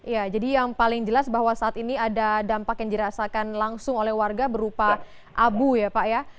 ya jadi yang paling jelas bahwa saat ini ada dampak yang dirasakan langsung oleh warga berupa abu ya pak ya